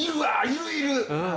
いるいる！